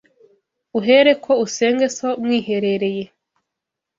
uhereko usenge So mwiherereye